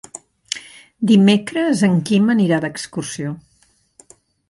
Dimecres en Quim anirà d'excursió.